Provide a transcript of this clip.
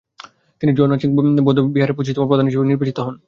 তিনি জো-নাং বৌদ্ধবিহারের পঁচিশতম প্রধান হিসেবে নির্বাচিত হন।